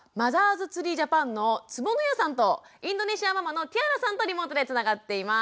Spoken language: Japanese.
’ｓＴｒｅｅＪａｐａｎの坪野谷さんとインドネシアママのティアラさんとリモートでつながっています。